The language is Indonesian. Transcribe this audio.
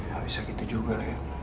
gak bisa gitu juga ya